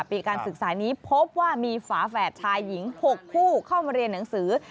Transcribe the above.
ปีการศึกษานี้พบว่ามีฝาแฝดชายหญิง๖คู่เข้ามาเรียนหนังสือ